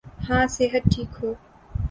ہاں صحت ٹھیک ہو۔